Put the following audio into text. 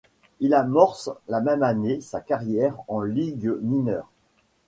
Il amorce la même année sa carrière en ligues mineures.